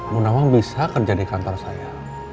bu nawang bisa kerja di kantor saya